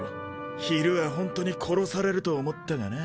昼はほんとに殺されると思ったがな。